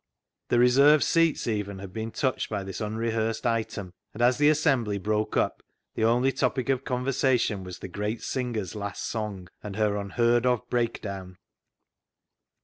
The reserved seats even had been touched by this unrehearsed item, and as the assembly broke up the only topic of conversation was the great singer's last song, and her unheard of breakdown.